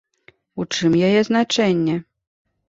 У чым яе значэнне?